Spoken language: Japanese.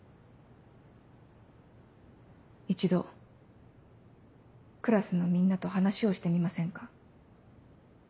一度クラスのみんなと話をしてみませんか？